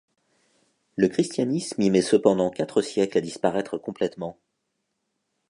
Le christianisme y met cependant quatre siècles à disparaître complètement.